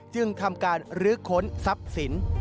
จึงทำการรื้อค้นทรัพย์สิน